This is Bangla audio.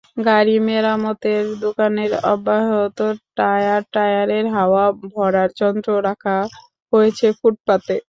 গাড়ি মেরামতের দোকানের অব্যবহৃত টায়ার, টায়ারে হাওয়া ভরার যন্ত্র রাখা হয়েছে ফুটপাতে।